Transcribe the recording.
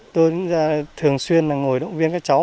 tôi thường xuyên ngồi động viên các cháu